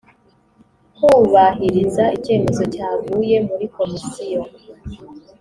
kubahiriza icyemezo cyavuye muri komisiyo